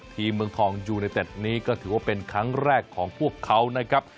เมืองทองยูเนเต็ดนี้ก็ถือว่าเป็นครั้งแรกของพวกเขานะครับ